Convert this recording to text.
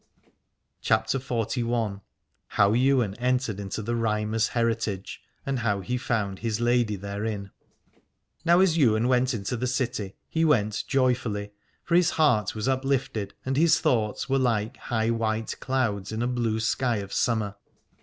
■S7 CHAPTER XLI. HOW YWAIN ENTERED INTO THE RHYMER'S HERITAGE, AND HOW HE FOUND HIS LADY THEREIN. Now as Ywain went into the city he went joyfully, for his heart was uplifted, and his thoughts were like high white clouds in a blue sky of summer.